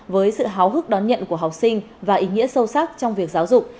với sự háo hức đón nhận của học sinh và ý nghĩa sâu sắc trong việc giáo dục